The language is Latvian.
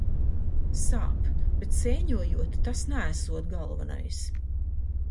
Sāp, bet sēņojot tas neesot galvenais.